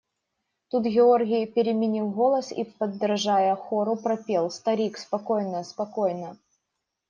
Тут Георгий переменил голос и, подражая хору, пропел: – Старик, спокойно… спокойно!